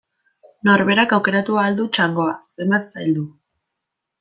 Norberak aukeratu ahal du txangoa zenbat zaildu.